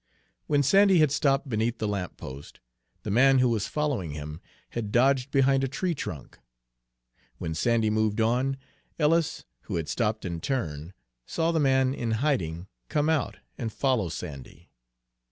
When Sandy had stopped beneath the lamp post, the man who was following him had dodged behind a tree trunk. When Sandy moved on, Ellis, who had stopped in turn, saw the man in hiding come out and follow Sandy.